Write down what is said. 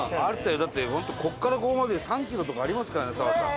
だって本当ここからここまでで３キロとかありますからね砂羽さん。